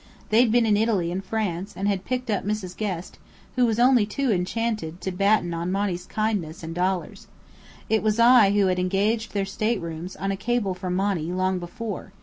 They'd been in Italy and France, and had picked up Miss Guest, who was only too enchanted to batten on Monny's kindness and dollars. It was I who had engaged their staterooms, on a cable from Monny, long before.